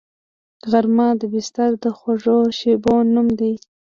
غرمه د بستر د خوږو شیبو نوم دی